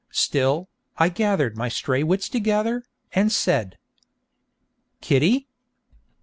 Still, I gathered my stray wits together, and said: 'Kitty!'